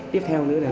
tiếp theo nữa là